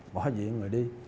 bỏ viện rồi đi